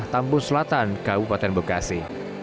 tambun selatan kabupaten bekasi